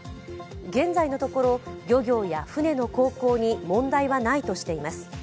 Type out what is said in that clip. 現在のところ漁業や船の航行に問題はないとしています。